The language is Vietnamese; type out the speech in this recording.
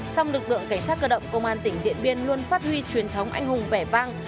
song lực lượng cảnh sát cơ động công an tỉnh điện biên luôn phát huy truyền thống anh hùng vẻ vang